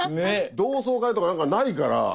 同窓会とか何かないから。